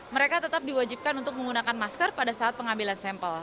mereka tetap diwajibkan untuk menggunakan masker pada saat pengambilan sampel